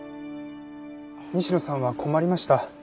西野さんは困りました。